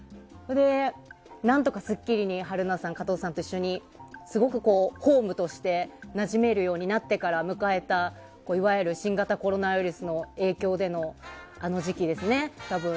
何とか「スッキリ」に春菜さん加藤さんと一緒にすごくホームとしてなじめるようになってから迎えた新型コロナウイルスの影響でのあの時期ですね。